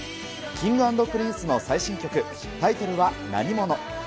Ｋｉｎｇ＆Ｐｒｉｎｃｅの最新曲、タイトルは、なにもの。